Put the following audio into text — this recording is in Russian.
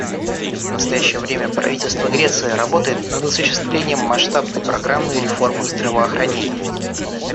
В настоящее время правительство Греции работает над осуществлением масштабной программы реформы здравоохранения.